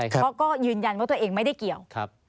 เขาก็ยืนยันว่าตัวเองไม่ได้เกี่ยว